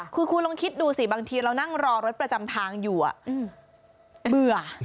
คือคุณลองคิดดูสิบางทีเรานั่งรอรถประจำทางอยู่เบื่อ